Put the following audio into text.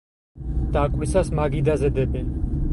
დაკვრისას მაგიდაზე დებენ.